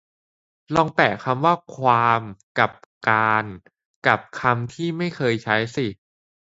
ลองแปะคำว่า ความ กับ การ กับคำที่ไม่เคยใช้สิ